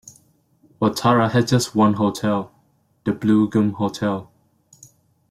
Waitara has just one hotel, the Blue Gum Hotel.